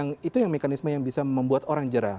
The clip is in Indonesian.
nah itu yang mekanisme yang bisa membuat orang jerah